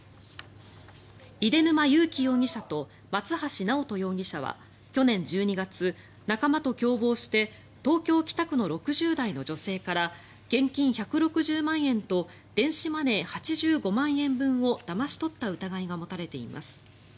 出沼悠己容疑者と松橋直人容疑者は去年１２月仲間と共謀して東京・北区の６０代の女性から現金１６０万円と電子マネー８５万円分をだまし取った疑いが持たれています。